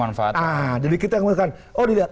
nah jadi kita yang mengatakan oh dilihat